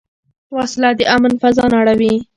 وسله د امن فضا نړوي